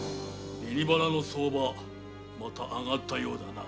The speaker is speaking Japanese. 紅花の相場また上がったようだな。